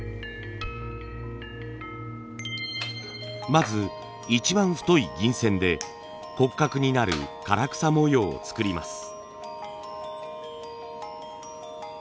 まず一番太い銀線で骨格になる唐草模様を作ります。